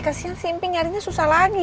kasian sihmping nyarinya susah lagi